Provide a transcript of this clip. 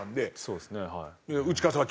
そうですね